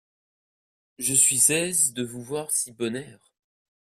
Je suis aise de vous voir si bon air.